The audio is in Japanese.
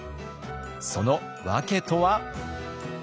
その訳とは？